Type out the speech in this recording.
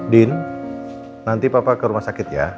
din nanti papa ke rumah sakit ya